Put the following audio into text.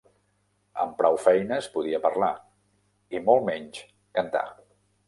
Amb prou feines podia parlar, i molt menys cantar.